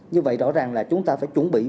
như vậy rõ ràng là chúng ta phải chuẩn bị